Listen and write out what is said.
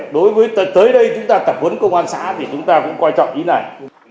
đối với tới đây chúng ta tập vấn công an xã thì chúng ta cũng quan trọng ý này